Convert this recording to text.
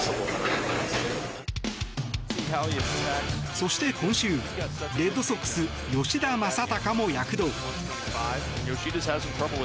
そして今週、レッドソックス吉田正尚も躍動。